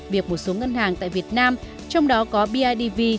việc một số ngân hàng tại việt nam trong đó có bidv